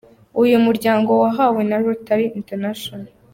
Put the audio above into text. uyu muryango wahawe na Rotary International.